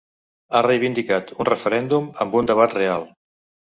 Ha reivindicat un referèndum amb un ‘debat real’.